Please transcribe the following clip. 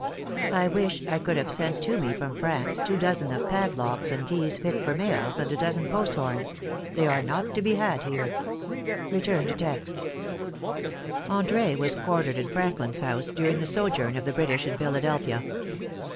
"I wish I could have sent to me from France two dozen of padlocks and keys fit for mails, and a dozen post horns; they are not to be had here." André was quartered in Franklin's house during the sojourn of the British in Philadelphia.